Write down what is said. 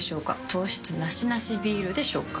糖質ナシナシビールでしょうか？